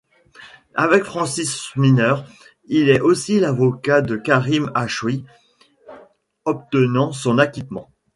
Avec Francis Szpiner, il est aussi l'avocat de Karim Achoui, obtenant son acquittement.